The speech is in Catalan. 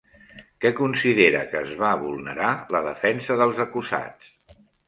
Què considera que es va vulnerar la defensa dels acusats?